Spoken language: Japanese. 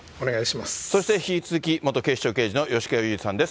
そして引き続き元警視庁刑事の吉川祐二さんです。